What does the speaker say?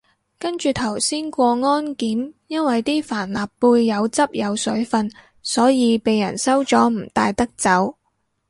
跟住頭先過安檢，因為啲帆立貝有汁有水份，所以被人收咗唔帶得走